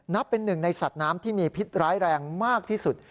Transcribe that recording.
เป็นหนึ่งในสัตว์น้ำที่มีพิษร้ายแรงมากที่สุด